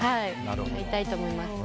買いたいと思います。